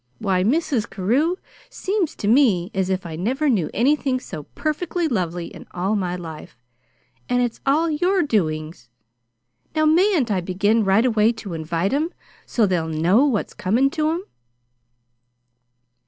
Why, Mrs. Carew, seems to me as if I never knew anything so perfectly lovely in all my life and it's all your doings! Now mayn't I begin right away to invite 'em so they'll KNOW what's coming to 'em?"